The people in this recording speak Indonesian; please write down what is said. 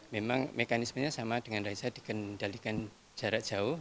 memang mekanismenya sama dengan raisa dikendalikan jarak jauh